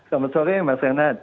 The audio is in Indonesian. selamat sore mas renat